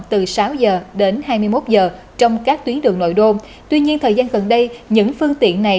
từ sáu giờ đến hai mươi một giờ trong các tuyến đường nội đô tuy nhiên thời gian gần đây những phương tiện này